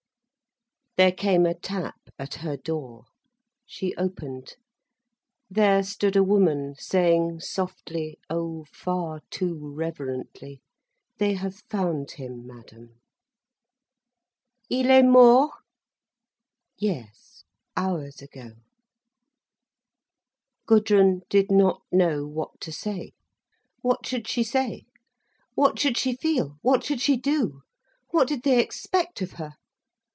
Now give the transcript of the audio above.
There came a tap at her door. She opened. There stood a woman, saying softly, oh, far too reverently: "They have found him, madam!" "Il est mort?" "Yes—hours ago." Gudrun did not know what to say. What should she say? What should she feel? What should she do? What did they expect of her?